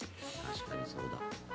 確かにそうだ。